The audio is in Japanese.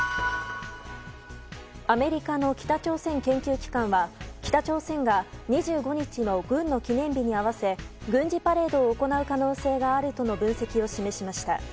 アメリカの北朝鮮研究機関は北朝鮮が２５日の軍の記念日に合わせ軍事パレードを行う可能性があるとの分析を示しました。